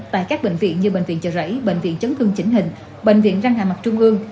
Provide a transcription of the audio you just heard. tại các bệnh viện như bệnh viện chợ rẫy bệnh viện chấn thương chỉnh hình bệnh viện răng hà mặt trung ương